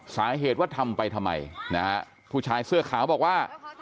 สาเหตุว่าทำไปทำไมนะฮะผู้ชายเสื้อขาวบอกว่า